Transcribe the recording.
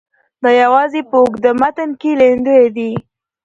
دا یوازې په اوږده متن کې لیندیو دي.